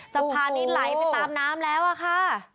สะพานนี้ไหลไปตามน้ำแล้วอะค่ะ